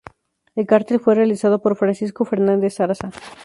El cartel fue realizado por Francisco Fernández Zarza.